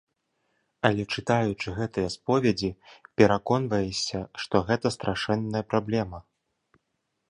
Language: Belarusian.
Але, чытаючы гэтыя споведзі, пераконваешся, што гэта страшэнная праблема.